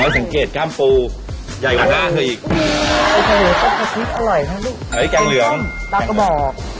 อ๋อสังเกตกล้ามปูหน้าคืออีก